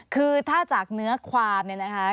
คือถ้าจากเนื้อความเนี่ยนะคะ